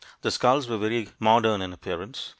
The skulls were very modern in appearance.